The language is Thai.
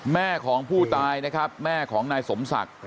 แม่ของผู้ตายนะครับแม่ของนายสมศักดิ์